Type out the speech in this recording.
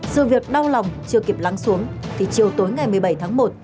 sự việc đau lòng chưa kịp lắng xuống thì chiều tối ngày một mươi bảy tháng một